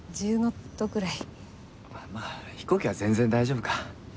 まあ飛行機は全然大丈夫か。